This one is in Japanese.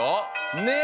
ねえ！